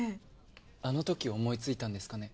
あのとき思いついたんですかね？